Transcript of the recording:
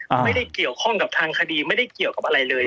ไม่ได้เกี่ยวข้องกับทางคดีไม่ได้เกี่ยวกับอะไรเลย